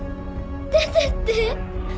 出てって